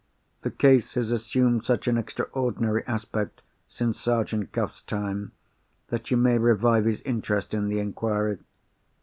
"The case has assumed such an extraordinary aspect since Sergeant Cuff's time, that you may revive his interest in the inquiry.